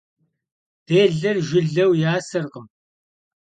Dêler jjıleu yaserkhım.